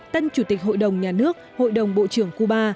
tân chủ tịch hội đồng nhà nước hội đồng bộ trưởng cuba